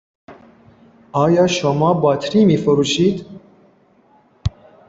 آیا شما باطری می فروشید؟